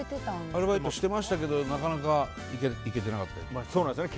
アルバイトしてましたけどなかなか行けてなかったですね。